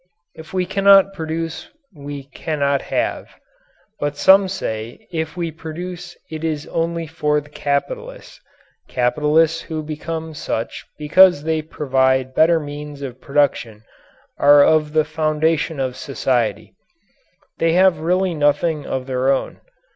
If we cannot produce we cannot have but some say if we produce it is only for the capitalists. Capitalists who become such because they provide better means of production are of the foundation of society. They have really nothing of their own.